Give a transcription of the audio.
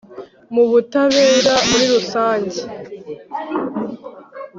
mu butabera muri rusange